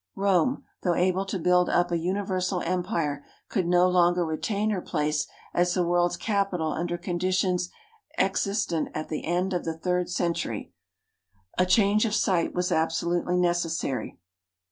Rome, though able to build up a universal empire, could no longer re tain her' place as the world's capital under conditions existent at the end of the third century. A change of site was absolutely necessary.